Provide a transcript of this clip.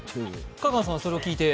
香川さんはそれを聞いて？